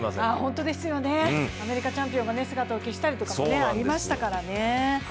アメリカチャンピオンが姿を消したりとかもありましたからね。